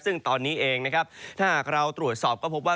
ซึ่งตอนนี้เองนะครับถ้าหากเราตรวจสอบก็พบว่า